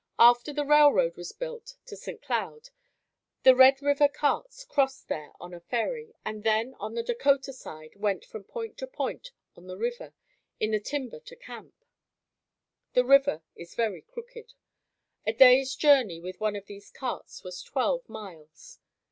After the railroad was built to St. Cloud the Red River carts crossed there on a ferry and then on the Dakota side went from point to point on the river in the timber to camp. The river is very crooked. A days journey with one of these carts was twelve miles.